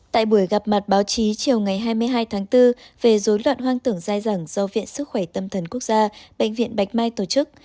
tại buổi gặp mặt báo chí chiều ngày hai mươi hai tháng bốn về dối loạn hoang tưởng dai dẳng do viện sức khỏe tâm thần quốc gia bệnh viện bạch mai tổ chức